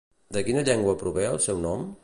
De quina llengua prové el seu nom?